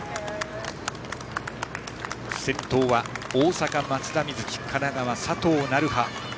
先頭は大阪、松田瑞生神奈川、佐藤成葉。